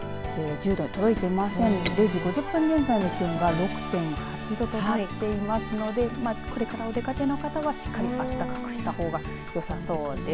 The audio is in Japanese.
０時５０分現在の気温が６．８度となっていますのでこれからお出かけの方はしっかりと暖かくしたほうがよさそうです。